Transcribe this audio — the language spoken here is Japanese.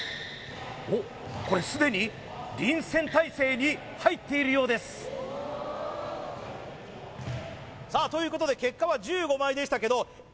おっこれすでに臨戦態勢に入っているようですさあということで結果は１５枚でしたけどエムバペ選手